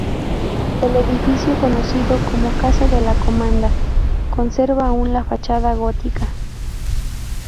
El edificio conocido como "Casa de la Comanda" conserva aún la fachada gótica.